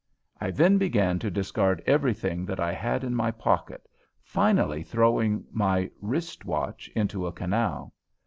I then began to discard everything that I had in my pocket, finally throwing my wrist watch into a canal.